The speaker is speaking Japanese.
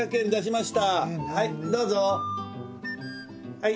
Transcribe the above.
はい。